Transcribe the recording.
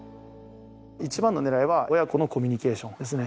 一番の狙いは親子のコミュニケーションですね。